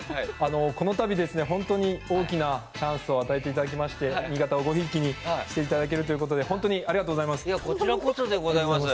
この度、本当に大きなチャンスを与えてくださいまして新潟をごひいきにしていただけるということで本当にありがとうございます。